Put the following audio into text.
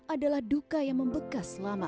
adalah duka yang membekas lama